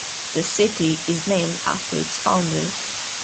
The city is named after its founder.